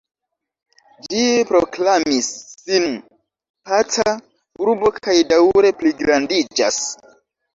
Ĝi proklamis sin paca urbo kaj daŭre pligrandiĝas.